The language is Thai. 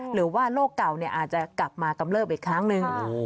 หรือว่าโลกเก่าเนี่ยอาจจะกลับมากำเลิภอีกครั้งนึง